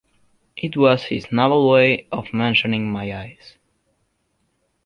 It was his naval way of mentioning my eyes.